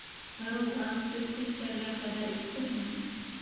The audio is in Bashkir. — Ырыуға, төп көстәргә хәбәр иттеңме?